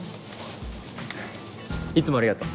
いつもありがとう。